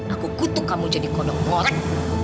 aku kutuk kamu jadi kodok ngorek